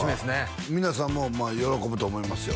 皆さんも喜ぶと思いますよ